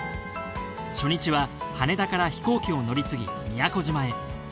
初日は羽田から飛行機を乗り継ぎ宮古島へ。